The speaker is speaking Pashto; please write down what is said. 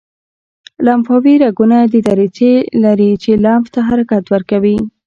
لمفاوي رګونه دریڅې لري چې لمف ته حرکت ورکوي.